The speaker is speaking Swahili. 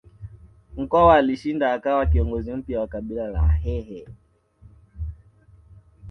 Mkwawa alishinda akawa kiongozi mpya wa kabila la Wahehe